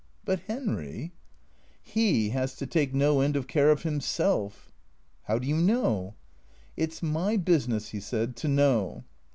"But Henry "''' He has to take no end of care of himself." " How do you know ?"" It 's my business," he said, " to know."